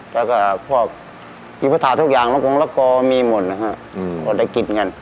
แล้วก็พวกอิพธาทุกอย่างแล้วก็มีหมดนะฮะอืมออกได้กินกัน